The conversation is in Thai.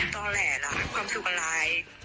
ต่อแหละล่ะความสุขอะไร